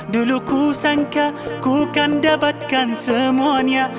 dulu ku sangka ku kan dapatkan semuanya